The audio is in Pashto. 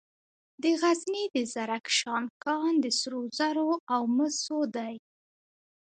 د غزني د زرکشان کان د سرو زرو او مسو دی.